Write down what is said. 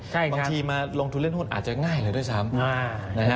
บางทีมาลงทุนเล่นหุ้นอาจจะง่ายเลยด้วยซ้ำ